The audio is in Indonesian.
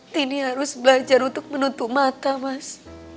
tini harus belajar untuk menutup mata mas